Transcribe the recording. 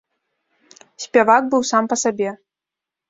Спявак быў сам па сабе.